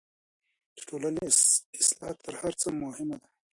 د ټولني اصلاح تر هر څه مهمه ده.